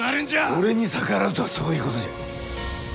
俺に逆らうとはそういうことじゃ。